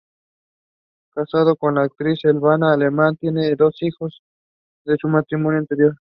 Casado con la actriz Selva Alemán, tiene dos hijos de su matrimonio anterior.